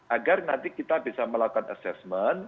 agar nanti kita bisa melakukan assessment